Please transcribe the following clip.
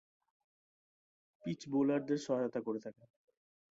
Pitch বোলারদের সহায়তা করে থাকে।